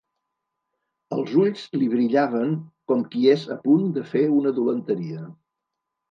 Els ulls li brillaven com qui és a punt de fer una dolenteria.